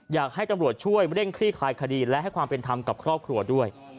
อยากให้ตำรวจช่วยเร่งคลี่คลายคดีและให้ความเป็นธรรมกับครอบครัวด้วย